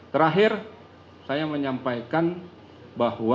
terakhir saya menyampaikan bahwa